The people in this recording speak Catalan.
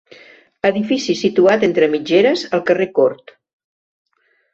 Edifici situat entre mitgeres al carrer Cort.